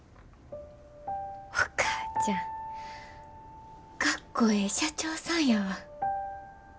お母ちゃんかっこええ社長さんやわ。